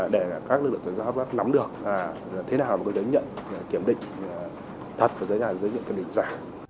để các lực lượng tổn trạng kiểm soát lắm được là thế nào mà có giấy nhận kiểm định thật và giấy nhận kiểm định giả